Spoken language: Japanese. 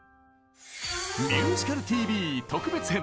「ミュージカルＴＶ」特別編！